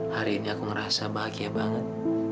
hari ini aku merasa bahagia banget